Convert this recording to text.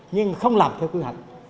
nhưng không làm theo quy hoạch